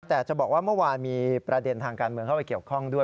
แต่จะบอกว่าเมื่อวานมีประเด็นทางการเมืองเข้าไปเกี่ยวข้องด้วย